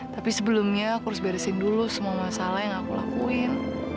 tapi sebelumnya aku harus beresin dulu semua masalah yang aku lakuin